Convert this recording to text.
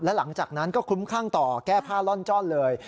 หลังจากนั้นก็คลุ้มคลั่งต่อแก้ผ้าล่อนจ้อนเลย